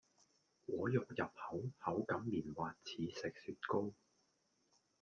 果肉入口口感棉滑似食雪糕